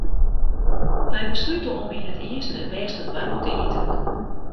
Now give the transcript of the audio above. Wy beslute om yn it earste it bêste doarp te iten.